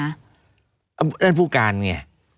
นั่นผู้การไง